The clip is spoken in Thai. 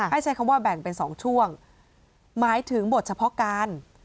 ใช้คำว่าแบ่งเป็น๒ช่วงหมายถึงบทเฉพาะการ